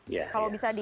iya kalau bisa di